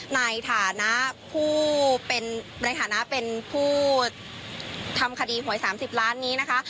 ในฐานะเป็นผู้ทำคดีหวย๓๐ล้านบาทนี้นะคะ